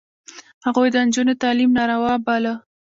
هغوی د نجونو تعلیم ناروا باله.